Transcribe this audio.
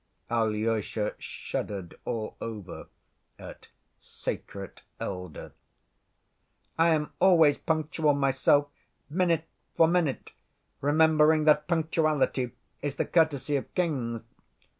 (Alyosha shuddered all over at "sacred elder.") "I am always punctual myself, minute for minute, remembering that punctuality is the courtesy of kings...."